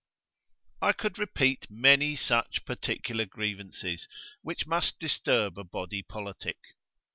I could repeat many such particular grievances, which must disturb a body politic.